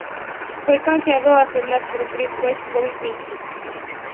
Fue canjeado a Cleveland por el All-Pro Bobby Mitchell.